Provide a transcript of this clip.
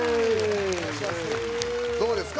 どうですか？